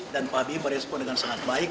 dan pak bimber respon dengan sangat baik